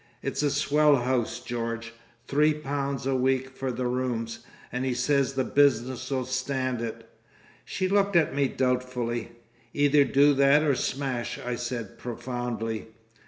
It's a swell house, George. Three pounds a week for the rooms. And he says the Business'll stand it." She looked at me doubtfully. "Either do that or smash," I said profoundly.